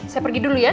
saya pergi dulu ya